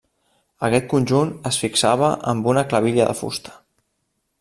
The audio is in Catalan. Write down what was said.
Aquest conjunt es fixava amb una clavilla de fusta.